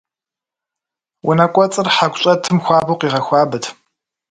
Унэкӏуэцӏыр хьэку щӏэтым хуабэу къигъэхуабэт.